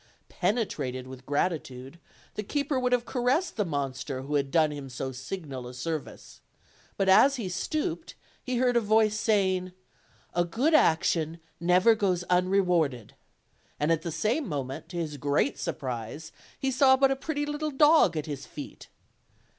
Penetrated with gratitude, the keeper would have caressed the monster who had done him so signal a service; but as he stooped, he heard a voice saying: "A good action never goes unrewarded;" and at the same moment, to his great surprise, he saw but a pretty little dog at his feet.